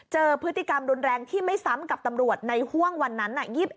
เจอพฤติกรรมรุนแรงที่ไม่ซ้ำกับตำรวจในห่วงวันนั้น